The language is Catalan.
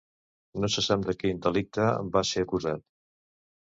No se sap de quin delicte va ser acusat.